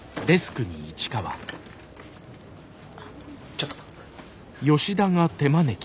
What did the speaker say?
ちょっと。